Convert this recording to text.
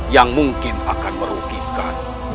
yang mungkin akan merugikan